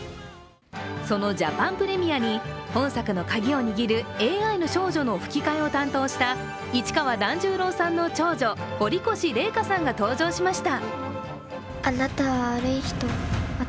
そのジャパンプレミアに、本作のカギを握るＡＩの少女の吹き替えを担当した市川團十郎さんの長女堀越麗禾さんが登場しました。